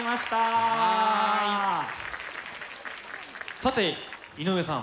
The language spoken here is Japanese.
さて井上さん。